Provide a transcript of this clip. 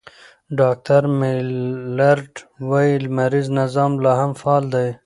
ډاکټر میلرډ وايي، لمریز نظام لا هم فعال دی.